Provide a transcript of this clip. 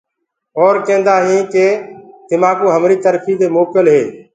اور ڪيندآ هينٚ ڪي تمآڪوُ همري ترڦيٚ دي موڪل هو۔